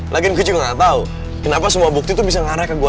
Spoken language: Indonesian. lagian gue juga gak tau kenapa semua bukti tuh bisa ngarah ke gua